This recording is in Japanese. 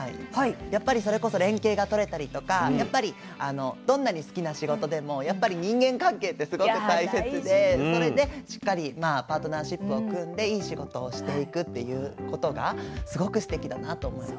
やっぱりそれこそ連携が取れたりとかやっぱりどんなに好きな仕事でもやっぱり人間関係ってすごく大切でそれでしっかりまあパートナーシップを組んでいい仕事をしていくっていうことがすごくすてきだなと思いました。